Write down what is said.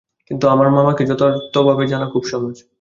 কিন্তু আমার মামাকে যথার্থভাবে জানা খুব সহজ।